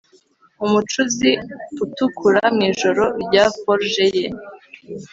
Umucuzi utukura mwijoro rya forge ye